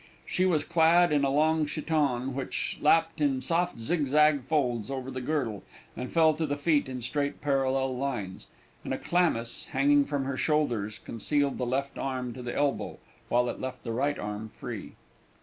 She was clad in a long chiton, which lapped in soft zig zag folds over the girdle and fell to the feet in straight parallel lines, and a chlamys hanging from her shoulders concealed the left arm to the elbow, while it left the right arm free.